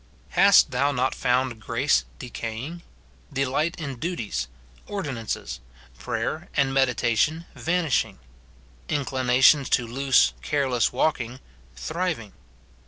Hast thou not found grace decaying ; delight in duties, ordinances, prayer and meditation, vanishing ; inclina tions to loose careless walking, thriving